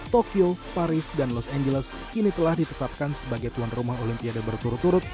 tokyo paris dan los angeles kini telah ditetapkan sebagai tuan rumah olimpiade berturut turut